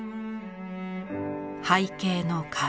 背景の壁。